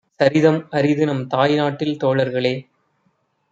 சரிதம் அரிதுநம் தாய்நாட்டில் தோழர்களே!